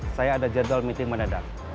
saya ada jadwal meeting mendadak